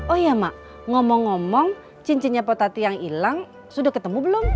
oh ya mak ngomong ngomong cincinnya potati yang hilang sudah ketemu belum